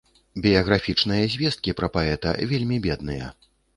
Біяграфічныя звесткі пра паэта вельмі бедныя.